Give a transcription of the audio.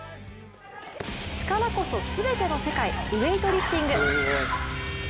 力こそすべての世界ウエイトリフティング。